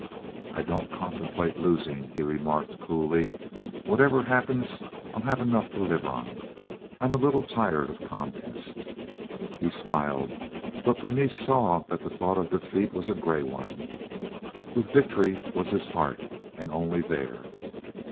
"I don't contemplate losing," he remarked, coolly. "Whatever happens, I'll have enough to live on. I'm a little tired of contest." He smiled, but Berenice saw that the thought of defeat was a gray one. With victory was his heart, and only there.